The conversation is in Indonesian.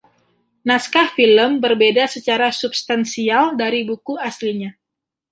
Naskah film berbeda secara substansial dari buku aslinya.